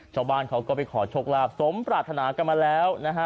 ชาวบ้านเขาก็ไปขอโชคลาภสมปรารถนากันมาแล้วนะฮะ